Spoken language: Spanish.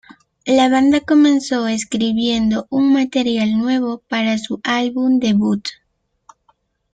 La banda comenzó escribiendo un material nuevo para su álbum debut.